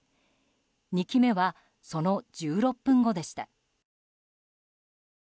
２機目は、その１６分後でした。